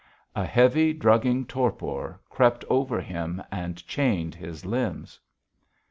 A heavy, drugging torpor crept over him and chained his limbs.